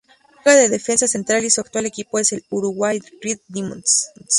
Juega de defensa central y su actual equipo es el Urawa Red Diamonds.